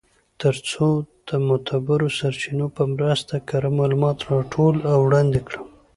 تر څو د معتبرو سرچینو په مرسته کره معلومات راټول او وړاندی کړم .